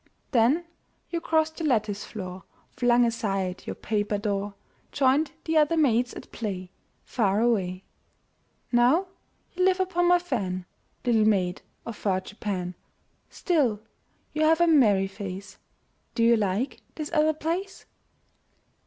Then you crossed your lattice floor, Flung aside your paper door, Joined the other maids at play, Far away. Now you live upon my fan, Little maid of far Japan, Still, you have a merry face — Do you like this other place?